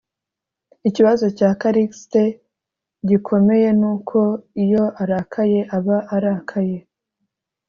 Ikibazo cya Callixte gikomeye ni uko iyo arakaye aba arakaye